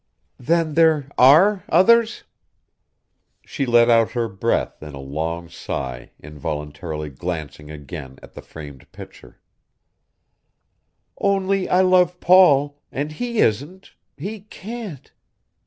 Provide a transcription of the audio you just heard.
"Then there are ... others?" She let out her breath on a long sigh involuntarily glancing again at the framed picture. "Only I love Paul, and he isn't ... he can't...."